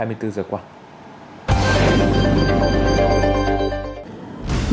vải chín sớm hay còn gọi là vải chín sớm